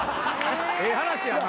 ええ話やな。